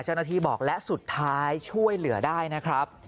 เจ้าหน้าที่บอกและสุดท้ายช่วยเหลือได้นะครับ